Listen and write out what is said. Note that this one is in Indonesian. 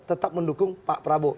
tetap mendukung pak prabowo